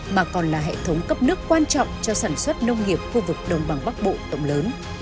mà còn là hệ thống cấp nước quan trọng cho sản xuất nông nghiệp khu vực đông bằng bắc bộ tổng lớn